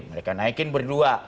mereka naikin berdua